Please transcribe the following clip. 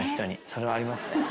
それはありますね。